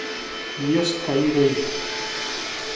niyo style ye